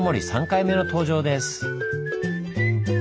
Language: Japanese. ３回目の登場です。